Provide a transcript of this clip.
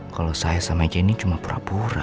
kalau saya sama jenny cuma pura pura